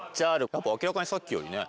やっぱ明らかにさっきよりね。